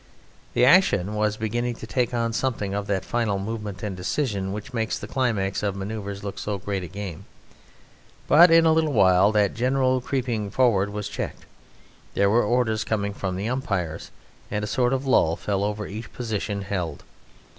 The action was beginning to take on something of that final movement and decision which makes the climax of manoeuvres look so great a game. But in a little while that general creeping forward was checked: there were orders coming from the umpires, and a sort of lull fell over each position held.